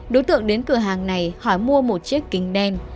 đối tượng đến cửa hàng này hỏi mua một chiếc kính đen